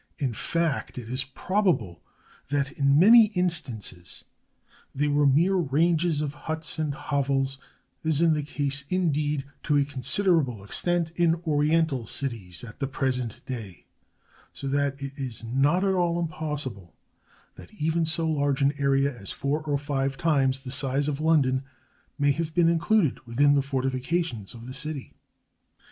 In fact, it is probable that, in many instances, they were mere ranges of huts and hovels, as is the case, indeed, to a considerable extent, in Oriental cities, at the present day, so that it is not at all impos sible that even so large an area as four or five times the size of London may have been included within the for tifications of the city.